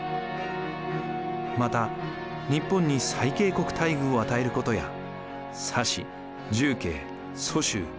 また日本に最恵国待遇をあたえることや沙市重慶蘇州